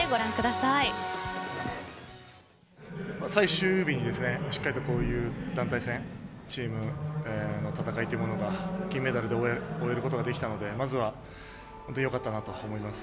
最終日にしっかりと団体戦でチームの戦いというものが金メダルで終えることができたので本当によかったと思います。